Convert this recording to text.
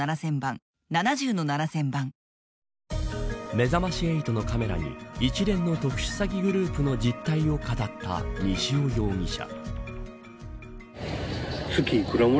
めざまし８のカメラに一連の特殊詐欺グループの実態を語った西尾容疑者。